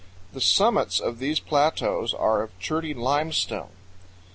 The summits of these plateaus are of cherty limestone.